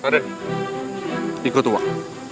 raden ikut wak